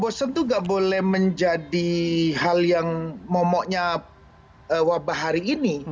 bosen itu gak boleh menjadi hal yang momoknya wabah hari ini